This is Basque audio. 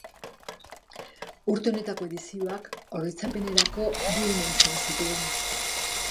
Urte honetako edizioak oroitzapenerako bi une izan zituen.